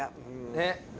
ねっ。